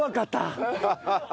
ハハハハ。